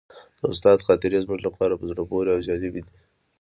د استاد خاطرې زموږ لپاره په زړه پورې او جالبې دي.